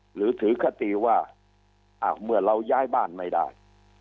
หรือถือคติว่าเมื่อเราย้ายบ้านไม่ได้